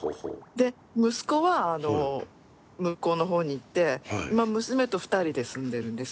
で息子は向こうの方に行って今娘と２人で住んでるんです。